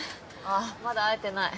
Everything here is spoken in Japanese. ああまだ会えてない。